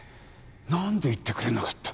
何で言ってくれなかった？